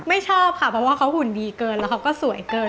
ไม่ชอบค่ะเพราะว่าเขาหุ่นดีเกินแล้วเขาก็สวยเกิน